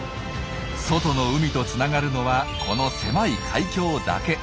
外の海とつながるのはこの狭い海峡だけ。